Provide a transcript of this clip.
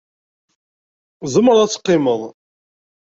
Tzemreḍ ad teqqimeḍ.